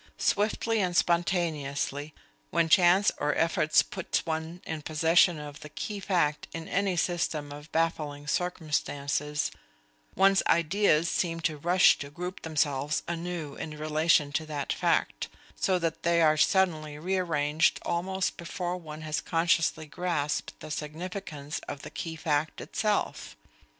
Swiftly and spontaneously, when chance or effort puts one in possession of the key fact in any system of baffling circumstances, one's ideas seem to rush to group themselves anew in relation to that fact, so that they are suddenly rearranged almost before one has consciously grasped the significance of the key fact itself.